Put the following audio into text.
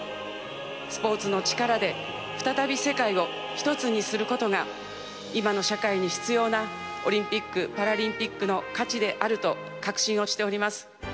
スポーツの力で再び世界を一つにすることが、今の社会に必要なオリンピック・パラリンピックの価値であると確信をしております。